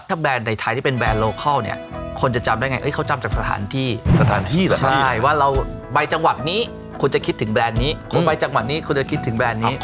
แต่ถ้าเขาได้เคยมาสถานที่ผมก่อนสักครั้งนึง